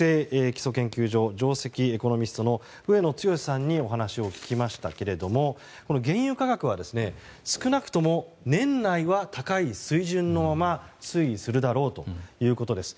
基礎研究所上席エコノミストの上野剛志さんにお話を聞きましたけれども原油価格は少なくとも年内は高い水準のまま推移するだろうということです。